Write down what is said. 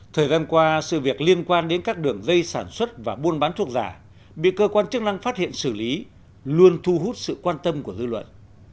thời gian qua sự việc liên quan đến các đường dây sản xuất và buôn bán thuốc giả bị cơ quan chức năng phát hiện xử lý luôn thu hút sự quan tâm của dư luận